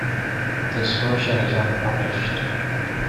This version is unpublished.